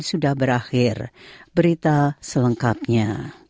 sudah berakhir berita selengkapnya